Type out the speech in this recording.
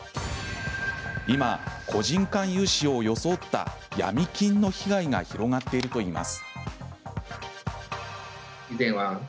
今、個人間融資を装ったヤミ金の被害が広がっているといいます。